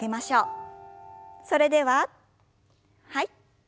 それでははい。